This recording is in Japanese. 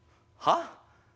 はっ？